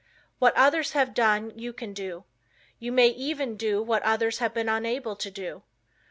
What others have done you can do. You may even do what others have been unable to do.